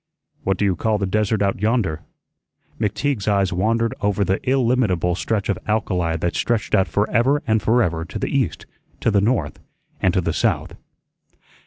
"What do you call the desert out yonder?" McTeague's eyes wandered over the illimitable stretch of alkali that stretched out forever and forever to the east, to the north, and to the south.